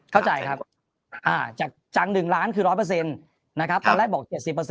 เข้าใจครับจากจัง๑ล้านคือ๑๐๐นะครับตอนแรกบอก๗๐